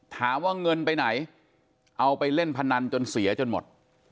ถามว่าเงินไปไหนเอาไปเล่นพนันจนเสียจนหมด